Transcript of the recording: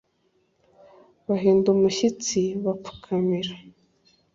bahinda umushyitsi bapfukamira